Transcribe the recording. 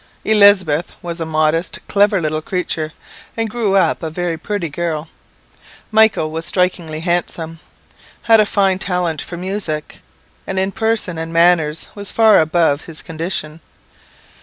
Elizabeth was a modest, clever little creature, and grew up a very pretty girl. Michael was strikingly handsome, had a fine talent for music, and in person and manners was far above his condition.